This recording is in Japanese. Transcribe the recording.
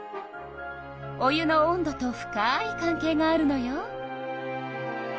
お湯の温度と深い関係があるのよ。